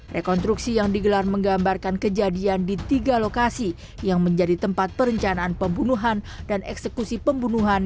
rekonstruksi yang digelar menggambarkan kejadian di tiga lokasi yang menjadi tempat perencanaan pembunuhan dan eksekusi pembunuhan